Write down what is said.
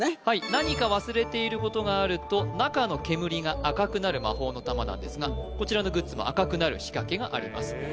はい何か忘れていることがあると中の煙が赤くなる魔法の玉なんですがこちらのグッズも赤くなる仕掛けがあります